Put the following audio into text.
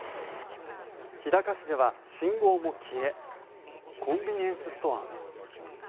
日高市では信号も消えコンビニエンスストアも。